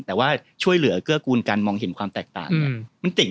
แต่ว่าช่วยเหลือเกื้อกูลการมองเห็นความแตกต่างเนี่ย